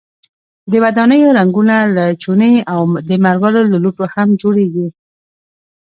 د ودانیو رنګونه له چونې او د مرمرو له لوټو هم جوړیږي.